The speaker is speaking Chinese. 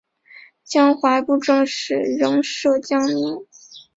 江淮布政使仍设江宁。